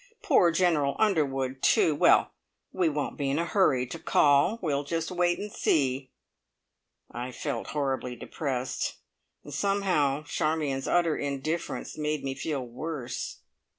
Poor General Underwood, too. Well, we won't be in a hurry to call. We will just wait and see!" I felt horribly depressed, and somehow Charmion's utter indifference made me feel worse.